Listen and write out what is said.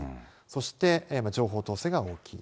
そして情報統制が大きい。